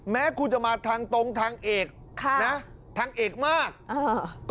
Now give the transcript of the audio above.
แม้คุณจะมาทางตรงทางเอกค่ะนะทางเอกมากอ่า